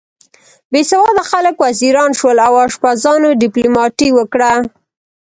بې سواده خلک وزیران شول او اشپزانو دیپلوماتۍ وکړه.